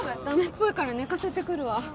駄目っぽいから寝かせてくるわ。